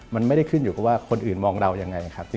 มันไม่ได้ขึ้นอยู่กับว่าคนอื่นมองเรายังไงครับ